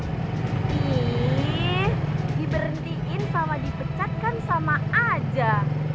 ih diberhentiin sama dipecat kan sama aja